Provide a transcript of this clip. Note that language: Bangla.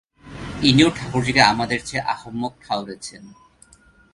ইনিও ঠাকুরজীকে আমাদের চেয়ে আহাম্মক ঠাওরেছেন।